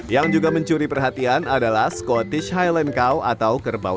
yang juga mencuri perhatian adalah scotic highland cow atau kerbau